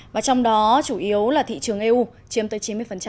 và trong đó chủ yếu là thị trường eu chiếm tới chín mươi